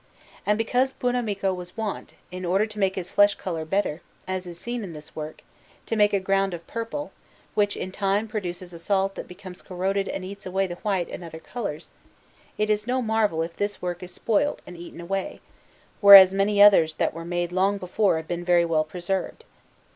And because Buonamico was wont, in order to make his flesh colour better, as is seen in this work, to make a ground of purple, which in time produces a salt that becomes corroded and eats away the white and other colours, it is no marvel if this work is spoilt and eaten away, whereas many others that were made long before have been very well preserved.